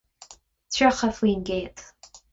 Tríocha faoin gcéad.